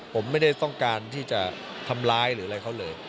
ผมไม่ได้ต้องการที่จะทำร้ายหรืออะไรเขาเลย